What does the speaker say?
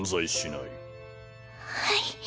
はい。